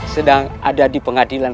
sedang ada di pengadilan